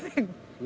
何？